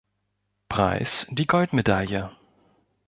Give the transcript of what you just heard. Preis die Goldmedaille.